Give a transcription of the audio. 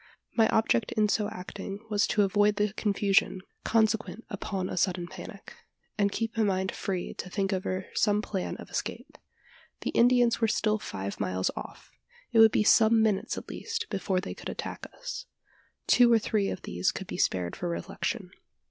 My object in so acting was to avoid the confusion, consequent upon a sudden panic, and keep my mind free to think over some plan of escape. The Indians were still five miles off. It would be some minutes at least before they could attack us. Two or three of these could be spared for reflection.